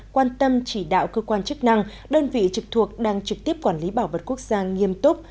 quan tâm chỉ đạo cơ quan chức năng đơn vị trực thuộc đang trực tiếp quản lý bảo vật quốc gia nghiêm túc